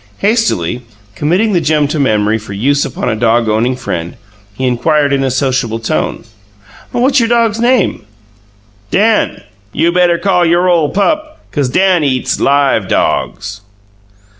Hastily committing the gem to memory for use upon a dog owning friend, he inquired in a sociable tone: "What's your dog's name?" "Dan. You better call your ole pup, 'cause Dan eats LIVE dogs."